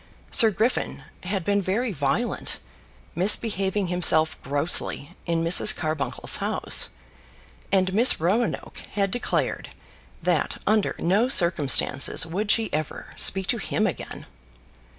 Sir Griffin had been very violent, misbehaving himself grossly in Mrs. Carbuncle's house, and Miss Roanoke had declared that under no circumstances would she ever speak to him again.